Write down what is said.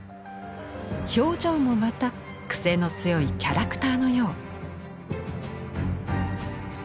表情もまたクセの強いキャラクターのよう。